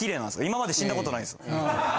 今まで死んだことないです。